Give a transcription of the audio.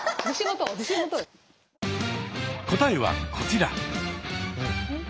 答えはこちら。